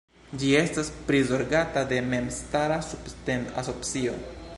Ĝi estas prizorgata de memstara subten-asocio.